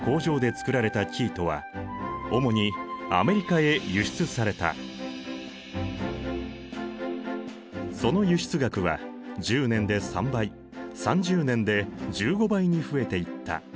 外国技術を導入したその輸出額は１０年で３倍３０年で１５倍に増えていった。